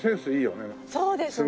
そうですね。